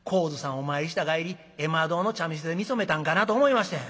お参りした帰り絵馬堂の茶店で見初めたんかなと思いましたんや。